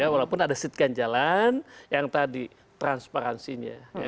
walaupun ada sitkan jalan yang tadi transparansinya